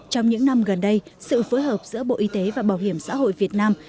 trong những năm gần đây sự phối hợp giữa bộ y tế và bảo hiểm xã hội việt nam